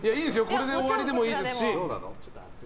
これで終わりでもいいですし。